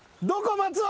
松尾！